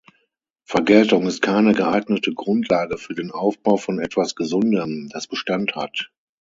Vergeltung ist keine geeignete Grundlage für den Aufbau von etwas Gesundem, das Bestand hat.